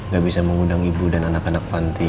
gak bisa mengundang ibu dan anak anak panti